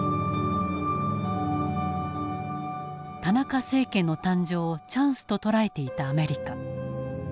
田中政権の誕生をチャンスと捉えていたアメリカ。